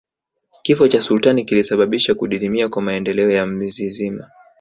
Kifo cha sultani kilisababisha kudidimia kwa maendeleo ya mzizima